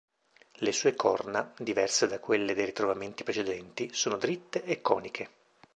Le sue "corna", diverse da quelle dei ritrovamenti precedenti, sono dritte e coniche.